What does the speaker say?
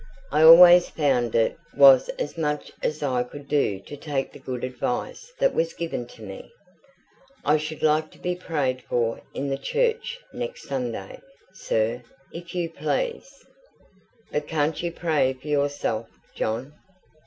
I always found it was as much as I could do to take the good advice that was given to me. I should like to be prayed for in the church next Sunday, sir, if you please." "But can't you pray for yourself, John?"